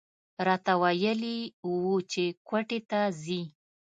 راته ویلي و چې کویټې ته ځي.